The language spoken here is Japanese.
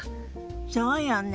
そうよね。